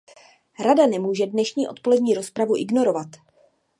Rada nemůže dnešní odpolední rozpravu ignorovat.